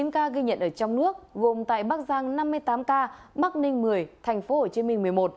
bảy mươi chín ca ghi nhận ở trong nước gồm tại bắc giang năm mươi tám ca mắc ninh một mươi tp hcm một mươi một